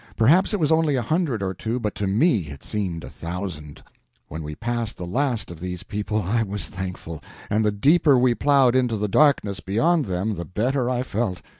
Perhaps it was only a hundred or two, but to me it seemed a thousand. When we passed the last of these people I was thankful, and the deeper we plowed into the darkness beyond them the better I felt.